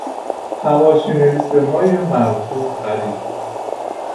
حواشی نویسیهای مرحوم قریب